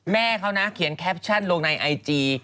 แม่เขานะเขียนแคปชั่นลงในไอจี